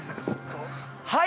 はい！